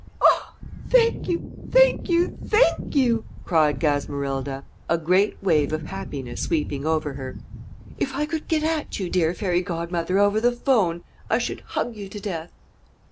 "Oh, thank you, thank you, thank you!" cried Gasmerilda, a great wave of happiness sweeping over her. "If I could get at you, dear Fairy Godmother, over the 'phone, I should hug you to death."